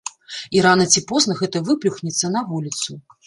І рана ці позна гэта выплюхнецца на вуліцу.